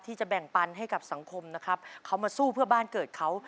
ที่จะแบ่งปันให้กับสังคมนะครับเขามาสู้เพื่อบ้านเกิดเขา